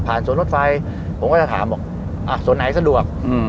พานสวนรถไฟผมก็จะถามสวนไหนสะดวก